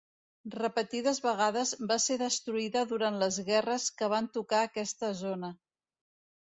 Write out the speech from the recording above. Repetides vegades va ser destruïda durant les guerres que van tocar aquesta zona.